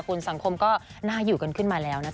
คุณสังคมก็น่าอยู่กันขึ้นมาแล้วนะคะ